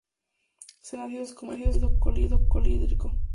Se disuelve en ácidos como el ácido clorhídrico.